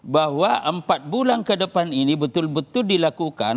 bahwa empat bulan ke depan ini betul betul dilakukan